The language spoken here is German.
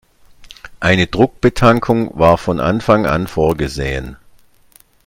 Eine Druckbetankung war von Anfang an vorgesehen.